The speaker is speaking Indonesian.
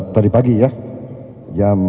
tadi pagi ya